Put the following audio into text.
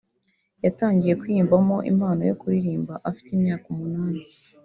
yatangiye kwiyumvamo impano yo kuririmba afite imyaka umunani